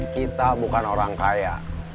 kita bukan orang kaya